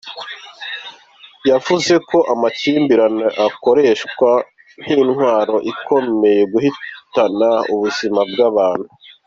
Yavuze ko amakimbirane akoreshwamo intwaro akomeje guhitana ubuzima bw’abantu.